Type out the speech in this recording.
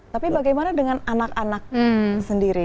tapi bagaimana dengan anak anak sendiri